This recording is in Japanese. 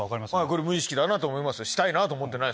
これ無意識だなと思いますしたいなと思ってないですもん。